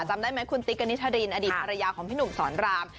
จำได้ไหมคุณติ๊กกณิชรินอดีตภรรยาของพี่หนุ่มสอนราม